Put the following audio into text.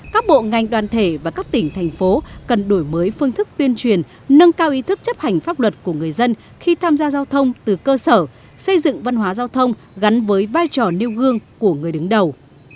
các bộ ngành đoàn thể và các tỉnh thành phố cần đổi mới phương thức tuyên truyền nâng cao ý thức chấp hành pháp luật của người dân khi tham gia giao thông từ cơ sở xây dựng văn hóa giao thông gắn với vai trò nêu gương của người đứng đầu